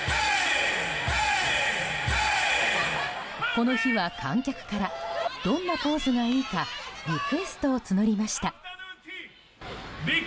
この日は、観客からどんなポーズがいいかリクエストを募りました。